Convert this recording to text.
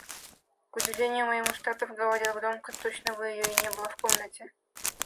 К удивлению моему, Шатов говорил громко, точно бы ее и не было в комнате.